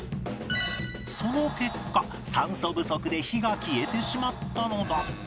その結果酸素不足で火が消えてしまったのだ